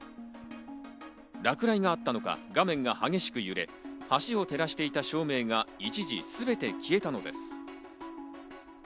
落雷があったのか、画面が激しく揺れ、橋を照らしていた照明が一時すべて消えたのです。